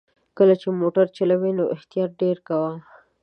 کله چې موټر چلوې نو احتياط ډېر کوه!